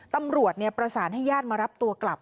ตำรวจประสานให้ญาติมารับตัวกลับ